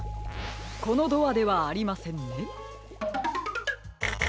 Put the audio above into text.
このドアではありませんね。